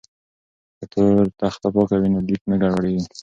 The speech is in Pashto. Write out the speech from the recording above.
که تور تخته پاکه وي نو لیک نه ګډوډیږي.